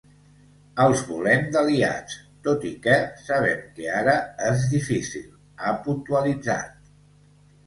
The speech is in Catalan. Els volem d’aliats tot i que sabem que ara és difícil, ha puntualitzat.